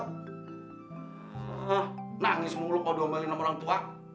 hah nangis mulu kau doa mali sama orang tua